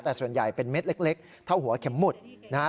แต่ส่วนใหญ่เป็นเม็ดเล็กเท่าหัวเข็มหมุดนะฮะ